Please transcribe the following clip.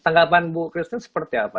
tanggapan bu christine seperti apa